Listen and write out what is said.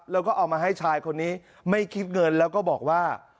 แล้วก็เอามาให้ชายคนนี้ไม่คิดเงินแล้วก็บอกว่า